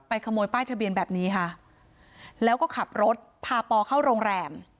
ขโมยป้ายทะเบียนแบบนี้ค่ะแล้วก็ขับรถพาปอเข้าโรงแรม